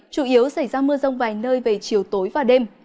chủ yếu xảy ra mưa rông vài nơi về chiều tối và đêm